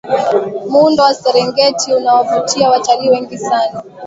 muundo wa serengeti unawavutia watalii wengi sana